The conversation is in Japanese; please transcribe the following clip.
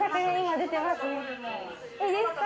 いいですか？